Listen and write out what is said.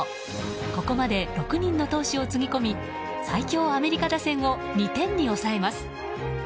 ここまで６人の投手をつぎ込み最強アメリカ打線を２点に抑えます。